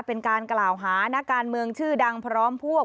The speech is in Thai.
เป็นการกล่าวหานักการเมืองชื่อดังพร้อมพวก